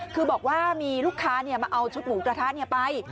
คือบอกว่ามีลูกค้าเนี่ยมาเอาชุดหมู่กระทะเนี่ยไป